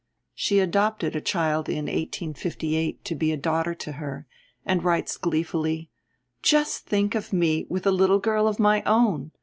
She adopted a child in 1858 to be a daughter to her, and writes gleefully: "Just think of me with a little girl of my own!